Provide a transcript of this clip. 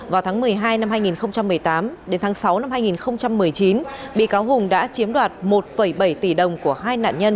vào tháng một mươi hai năm hai nghìn một mươi tám đến tháng sáu năm hai nghìn một mươi chín bị cáo hùng đã chiếm đoạt một bảy tỷ đồng của hai nạn nhân